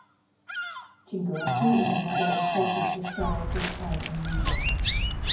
Chinguetti is another important historical town in the region.